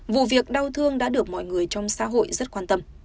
vụ việc đau thương đã được mọi người trong xã hội rất quan tâm